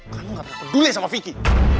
kamu gak peduli sama vicky